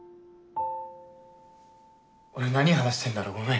俺なに話してんだろうごめん。